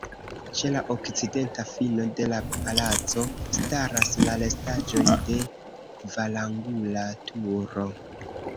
Ĉe la okcidenta fino de la palaco staras la restaĵoj de kvarangula turo.